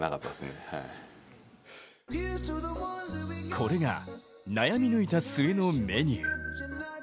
これが、悩み抜いた末のメニュー。